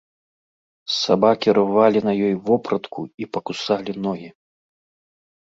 Сабакі рвалі на ёй вопратку і пакусалі ногі.